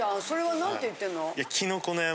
それは何て言ってんの？